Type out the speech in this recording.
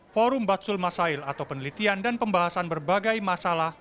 forum batsul masail atau penelitian dan pembahasan berbagai masalah